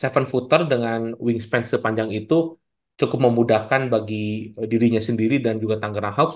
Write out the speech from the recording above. tujuh voter dengan wingspan sepanjang itu cukup memudahkan bagi dirinya sendiri dan juga tanggerang hoax